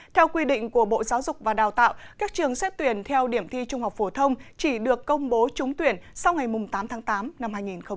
theo quy định của bộ giáo dục và đào tạo các trường xét tuyển theo điểm thi trung học phổ thông chỉ được công bố trúng tuyển sau ngày tám tháng tám năm hai nghìn hai mươi